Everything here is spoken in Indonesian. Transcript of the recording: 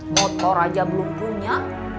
motor aja belum punya